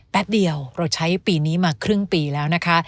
แป๊บเดียวเราใช้ปีนี้มาครึ่งปีแล้วนะคะ